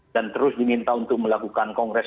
dan terus diminta untuk melakukan kongres